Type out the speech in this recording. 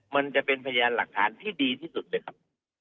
มันจะเป็นพยานหลักฐานที่ดีที่สุดเลยครับ